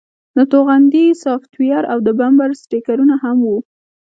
د توغندي سافټویر او د بمپر سټیکرونه هم وو